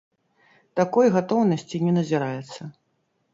Такой гатоўнасці не назіраецца.